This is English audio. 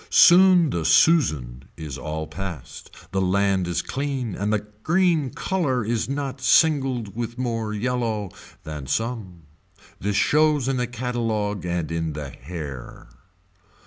Soon the Susan is all past, the land is clean and the green color is not singled with more yellow than some. This shows in the catalogue and in the hair.